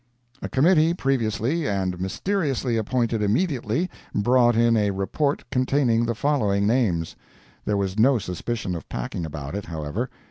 ] A committee previously and mysteriously appointed immediately brought in a report containing the following names. There was no suspicion of packing about it, however.